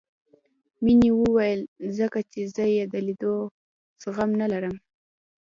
مينې وويل ځکه چې زه يې د ليدو زغم نه لرم.